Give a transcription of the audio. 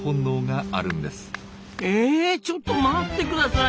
えちょっと待ってください！